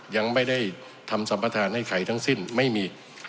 ยังไม่ได้ทำสัมประธานให้ใครทั้งสิ้นไม่มี